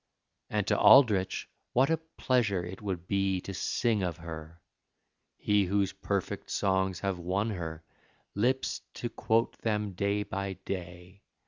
And to Aldrich what a pleasure It would be to sing of her He, whose perfect songs have won her Lips to quote them day by day.